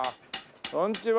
こんにちは。